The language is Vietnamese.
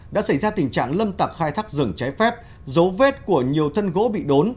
đã xảy ra tình trạng lâm tặc khai thác rừng trái phép dấu vết của nhiều thân gỗ bị đốn